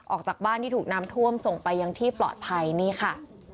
ออกจากบ้านที่ถูกน้ำท่วมส่งไปยังที่ปลอดภัยนี่ค่ะ